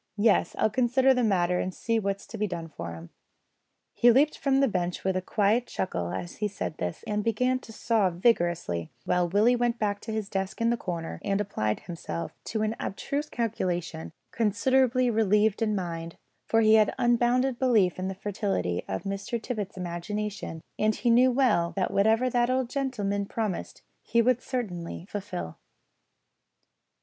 Yes, I'll consider the matter and see what's to be done for 'em." He leaped from the bench with a quiet chuckle as he said this and began to saw vigorously, while Willie went to his desk in the corner and applied himself to an abstruse calculation, considerably relieved in mind, for he had unbounded belief in the fertility of Mr Tippet's imagination, and he knew well that whatever that old gentleman promised he would certainly fulfil.